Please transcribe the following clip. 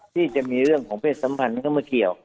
ที่จะมีเรื่องของเพศสัมพันธ์เข้ามาเกี่ยว